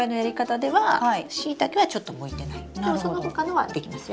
でもその他のはできますよ。